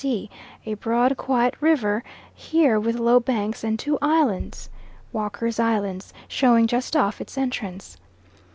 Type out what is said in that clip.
S.E., a broad, quiet river here with low banks and two islands (Walker's Islands) showing just off its entrance.